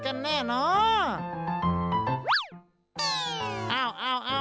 อันนี้ท่าอะไรเมื่อกี้